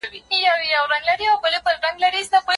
درناوی له سپکاوي څخه ډېر ارزښت لري.